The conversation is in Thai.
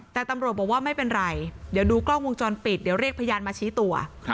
แต่ตำรวจบอกว่าไม่เป็นไรเดี๋ยวดูกล้องวงจรปิดเดี๋ยวเรียกพยานมาชี้ตัว